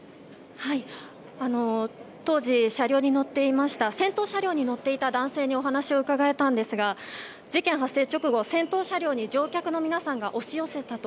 当時、先頭車両に乗っていた男性にお話を伺えたんですが事件発生直後、先頭車両に乗客の皆さんが押し寄せたと。